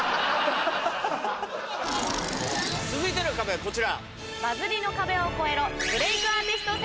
続いての壁はこちら。